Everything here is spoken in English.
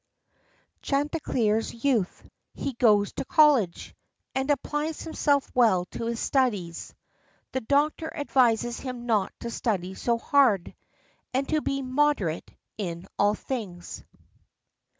CHANTICLEER'S YOUTH. — HE GOES TO COLLEGE, AND APPLIES HIMSELF WELL TO HIS STUDIES. THE DOCTOR ADVISES HIM NOT TO STUDY SO HARD, AND TO BE MODERATE IN ALL THINGS.